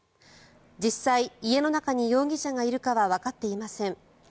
実際、家の中に容疑者がいるかはわかっていません。